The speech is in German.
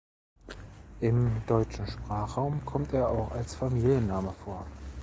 Im deutschen Sprachraum kommt er auch als Familienname vor.